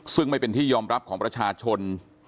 ซึ่งไม่เป็นที่ยอมรับของประชาชน